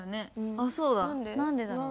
あっそうだ何でだろう？